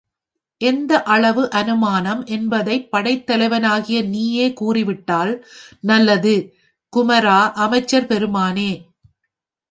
எந்த அளவு அநுமானம் என்பதைப் படைத் தலைவனாகிய நீயே கூறிவிட்டால் நல்லது குமரா அமைச்சர் பெருமானே!